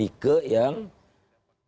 ada sanggut pautnya dengan kasus pln